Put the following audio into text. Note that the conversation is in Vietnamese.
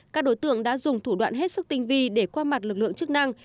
các đối tượng đã dùng thủ đoạn hết sức tinh vi để qua mặt lực lượng chức năng